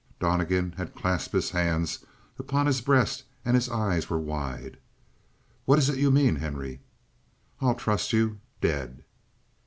Donnegan had clasped his hands upon his breast and his eyes were wide. "What is it you mean, Henry?" "I'll trust you dead!"